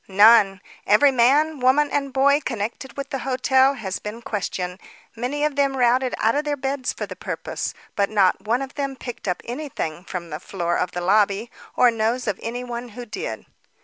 "None. Every man, woman and boy connected with the hotel has been questioned; many of them routed out of their beds for the purpose, but not one of them picked up anything from the floor of the lobby, or knows of any one who did."